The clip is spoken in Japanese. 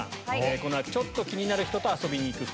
この秋ちょっと気になる人と遊びに行く服。